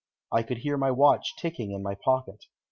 I could hear my watch ticking in my pocket.